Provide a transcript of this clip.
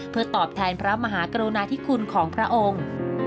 เพื่อตอบแทนพระมหากรุณาธิคุณของพระองค์